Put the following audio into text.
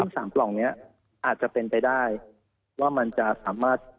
สามปล่องเนี้ยอาจจะเป็นไปได้ว่ามันจะสามารถ